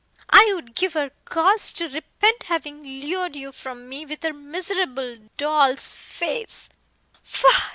I would give her cause to repent having lured you from me with her miserable doll's face.